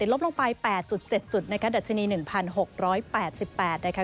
ลบลงไป๘๗จุดดัชนี๑๖๘๘นะครับ